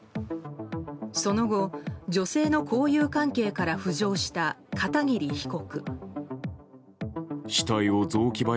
その後、女性の交友関係から浮上した片桐被告。